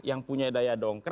yang punya daya dongker